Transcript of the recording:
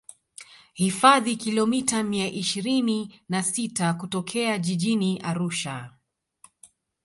hifadhi kilomita mia ishirini na sita kutokea jijini arusha